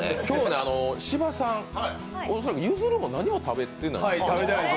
今日ね、芝さん、恐らくゆずるも何も食べてない。